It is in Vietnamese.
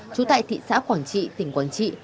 chú tại thị xã quảng trị tỉnh quảng trị